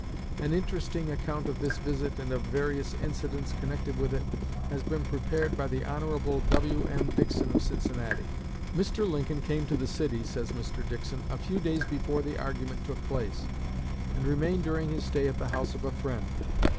An interesting account of this visit, and of various incidents connected with it, has been prepared by the Hon. W.M. Dickson of Cincinnati. "Mr. Lincoln came to the city," says Mr. Dickson, "a few days before the argument took place, and remained during his stay at the house of a friend.